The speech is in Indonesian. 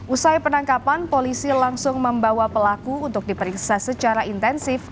usai penangkapan polisi langsung membawa pelaku untuk diperiksa secara intensif